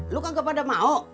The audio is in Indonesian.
lo kan gak pada mau